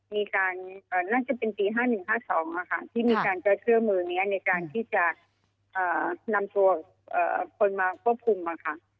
มีการน่าจะเป็นปี๕๑๕๒นะคะที่มีการจะเชื่อมือนี้ในการที่จะนำตัวคนมาควบคุมนะคะ